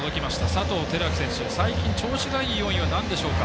佐藤輝明選手、最近、調子がいい要因はなんでしょうか？